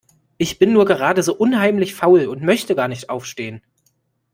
Ich bin nur gerade so unheimlich faul und möchte gar nicht aufstehen.